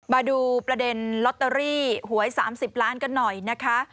มาดูประเด็นลอตเตอรี่หวย๓๐ล้านกันหน่อยนะคะ